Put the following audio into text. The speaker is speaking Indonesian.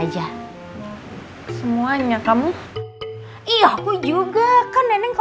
sebelumnya sampai selesai matahari irvy di pasang gaya